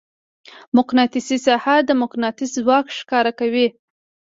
مقناطیسي ساحه د مقناطیس ځواک ښکاره کوي.